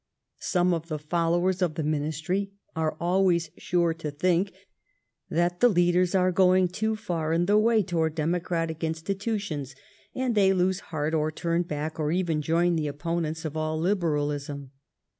Some of the followers of the Ministry are always sure to think that the leaders are going too far in the way toward demo cratic institutions, and they lose heart or turn back, or even join the opponents of all Liberalism.